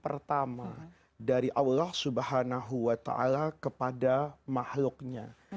pertama dari allah subhanahu wa ta'ala kepada mahluknya